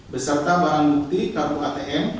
beserta barang bukti kartu atm